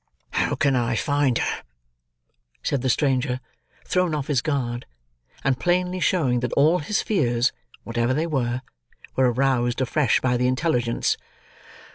"How can I find her?" said the stranger, thrown off his guard; and plainly showing that all his fears (whatever they were) were aroused afresh by the intelligence.